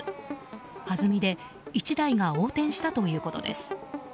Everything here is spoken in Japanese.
はずみで１台が横転したということです。